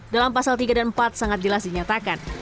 dalam pasal tiga dan empat sangat jelas dinyatakan